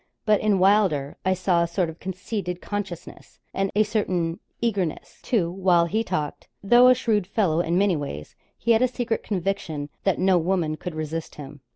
But in Wylder's I saw a sort of conceited consciousness, and a certain eagerness, too, while he talked; though a shrewd fellow in many ways, he had a secret conviction that no woman could resist him.